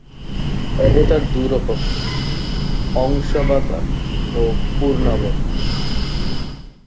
অবতার দু রকমের: অংশাবতার ও পূর্ণাবতার।